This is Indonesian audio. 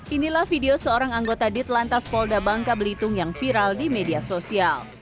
inilah video seorang anggota ditlantas polda bangka belitung yang viral di media sosial